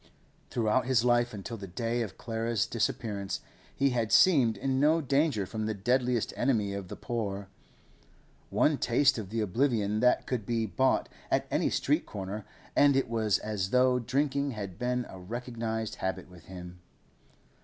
Throughout his life until that day of Clara's disappearance he had seemed in no danger from the deadliest enemy of the poor; one taste of the oblivion that could be bought at any street corner, and it was as though drinking had been a recognised habit with him.